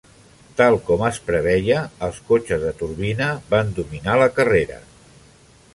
Tal com es prevenia, els cotxes de turbina van dominar la carrera.